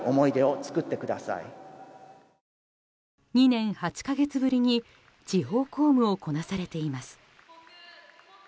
２年８か月ぶりに地方公務をこなされています。